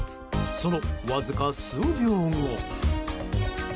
そのわずか数秒後。